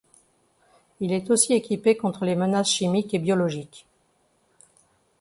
Il est aussi équipé contre les menaces chimiques et biologiques.